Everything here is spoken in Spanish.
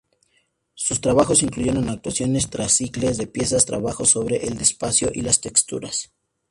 Sus trabajos incluyeron actuaciones, reciclaje de piezas, trabajos sobre el espacio y las texturas.